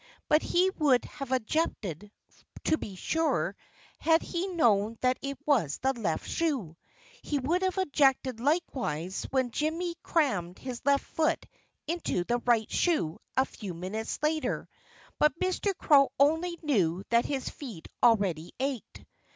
But he would have objected, to be sure, had he known that it was the left shoe. He would have objected likewise when Jimmy crammed his left foot into the right shoe a few minutes later. But Mr. Crow only knew that his feet already ached.